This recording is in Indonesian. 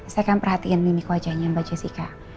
saya akan perhatiin mimik wajahnya mbak jessica